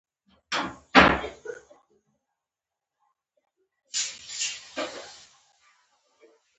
تاریخي سیمې، ځانګړي سندونه او لیکونه هم ساتل کیږي.